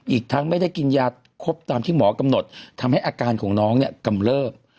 อีกทั้งไม่ได้กินยาครบตามที่หมอกำหนดทำให้อาการของน้องเนี่ยกำเลิบ